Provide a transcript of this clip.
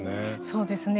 そうですね。